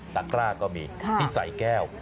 กร้าก็มีที่ใส่แก้ว